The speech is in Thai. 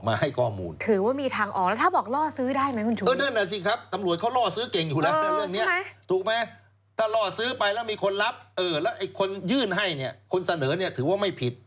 ถ้าล่อซื้อไปแล้วมีคนรับคนยื่นให้คนเสนอถือว่าไม่ผิด